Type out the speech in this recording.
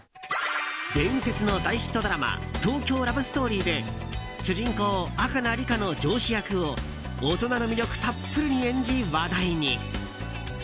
伝説の大ヒットドラマ「東京ラブストーリー」で主人公・赤名リカの上司役を大人の魅力たっぷりに演じ話題に。